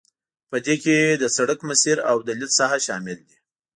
په دې کې د سرک مسیر او د لید ساحه شامل دي